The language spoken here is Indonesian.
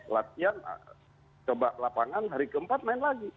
latihan coba lapangan hari keempat main lagi